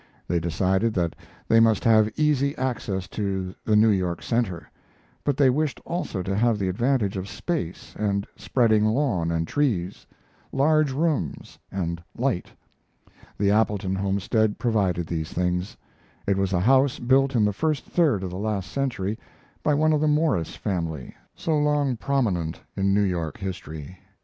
They decided that they must have easy access to the New York center, but they wished also to have the advantage of space and spreading lawn and trees, large rooms, and light. The Appleton homestead provided these things. It was a house built in the first third of the last century by one of the Morris family, so long prominent in New York history.